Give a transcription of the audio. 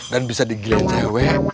dan bisa digilain cewek